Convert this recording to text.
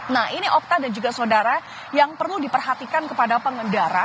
nah ini okta dan juga saudara yang perlu diperhatikan kepada pengendara